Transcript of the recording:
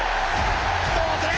同点！